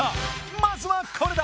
まずはこれだ！